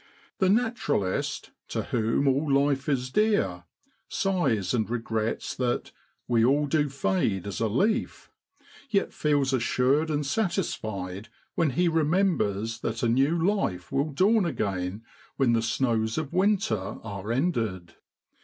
The naturalist, to whom all life is dear, sighs and regrets that l we all do fade as a leaf,' yet feels assured and satisfied when he remembers that a new life will dawn again when the snows of winter are ended.